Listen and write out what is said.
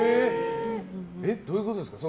どういうことですか？